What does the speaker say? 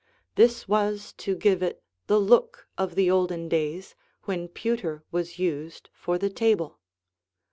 This was to give it the look of the olden days, when pewter was used for the table.